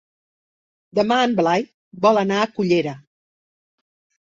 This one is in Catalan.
Demà en Blai vol anar a Cullera.